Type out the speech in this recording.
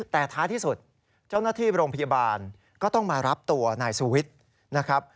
แต่ท้ายที่สุดเจ้าหน้าที่โรงพยาบาลก็ต้องมารับตัวนายสุวิทย์นะครับ